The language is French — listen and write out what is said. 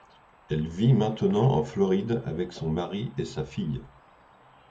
Elle vit maintenant en Floride avec son mari et sa fille.